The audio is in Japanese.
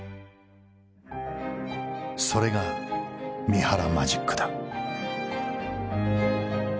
それが三原マジックだ。